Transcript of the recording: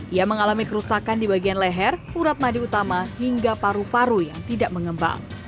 ia mengalami kerusakan di bagian leher urat madi utama hingga paru paru yang tidak mengembang